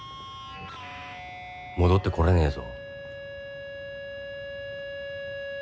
戻ってこれねぇぞ。